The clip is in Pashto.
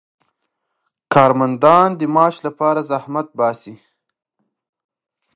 کارمندان د معاش لپاره زحمت باسي.